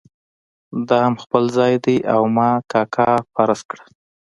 دا هم خپل ځای دی او ما کاکا فرض کړه.